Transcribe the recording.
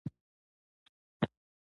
مځکه زموږ ټولو ګډه سرمایه ده.